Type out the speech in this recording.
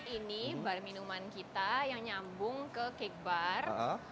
ini bar minuman kita yang nyambung ke cake bar